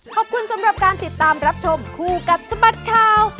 ขอบคุณสำหรับการติดตามรับชมคู่กับสบัดข่าว